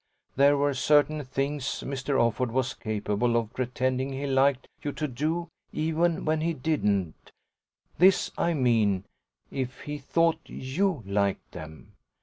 There were certain things Mr. Offord was capable of pretending he liked you to do even when he didn't this, I mean, if he thought YOU liked them.